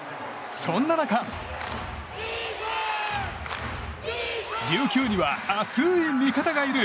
そんな中琉球には熱い味方がいる。